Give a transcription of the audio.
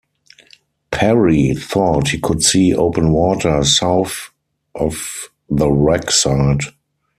Parry thought he could see open water south of the wreck site.